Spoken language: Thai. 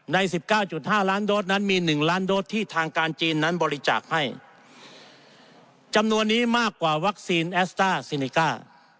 ในสิบเก้าจุดห้าล้านโดสนั้นมีหนึ่งล้านโดสที่ทางการจีนนั้นบริจาคให้จำนวนนี้มากกว่าวัคซีนแอสต้าซินิก้า